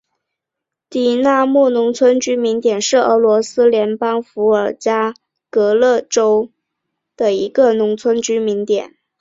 狄纳莫农村居民点是俄罗斯联邦伏尔加格勒州涅哈耶夫斯卡亚区所属的一个农村居民点。